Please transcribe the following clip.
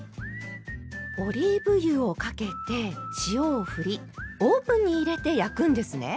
オリーブ油をかけて塩をふりオーブンに入れて焼くんですね。